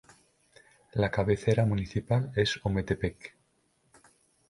La Cabecera Municipal es Ometepec.